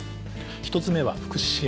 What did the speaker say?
１つ目は福祉支援